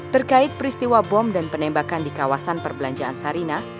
terkait peristiwa bom dan penembakan di kawasan perbelanjaan sarina